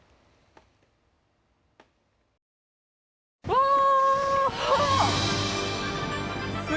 わあ！